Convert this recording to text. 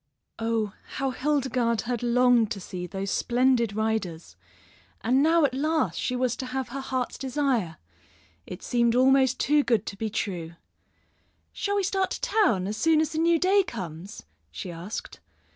Oh, how Hildegarde had longed to see those splendid riders! And now at last she was to have her heart's desire. It seemed almost too good to be true. "Shall we start to town as soon as the new day comes?" she asked.